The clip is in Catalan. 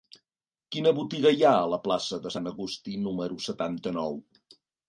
Quina botiga hi ha a la plaça de Sant Agustí número setanta-nou?